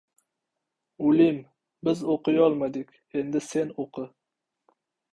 — Ulim, biz o‘qiyolmadik, endi, sen o‘qi.